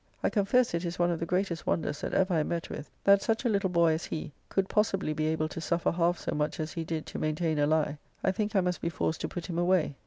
I confess it is one of the greatest wonders that ever I met with that such a little boy as he could possibly be able to suffer half so much as he did to maintain a lie. I think I must be forced to put him away.